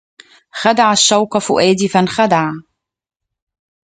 خدع الشوق فؤادي فانخدع